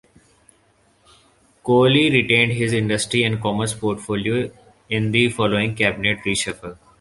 Colley retained his Industry and Commerce portfolio in the following cabinet reshuffle.